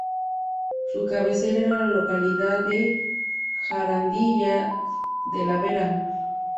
Su cabecera era la localidad de Jarandilla de la Vera.